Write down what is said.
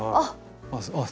あっ。